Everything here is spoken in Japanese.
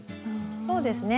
そうですね